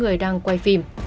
người này đang quay phim